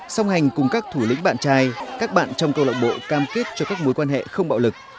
song hành cùng các thủ lĩnh bạn trai các bạn trong câu lạc bộ cam kết cho các mối quan hệ không bạo lực